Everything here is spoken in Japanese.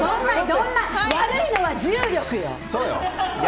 悪いのは重力よ！